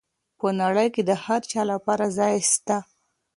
په نړۍ کي د هر چا لپاره ځای سته.